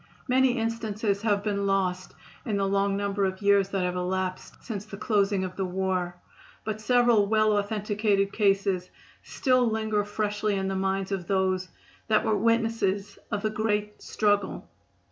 Many instances have been lost in the long number of years that have elapsed since the closing of the war, but several well authenticated cases still linger freshly in the minds of those that were witnesses of the great struggle.